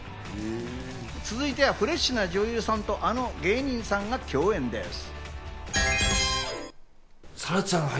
続いてはフレッシュな女優さんとあの芸人さんが共演です。